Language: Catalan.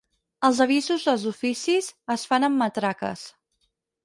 Els avisos dels oficis es fan amb matraques.